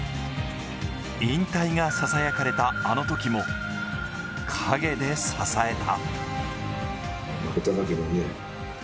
引退がささやかれたあの時も、陰で支えた。